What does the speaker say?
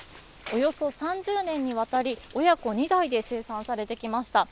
およそ３０年にわたり、親子２代で生産されてきました。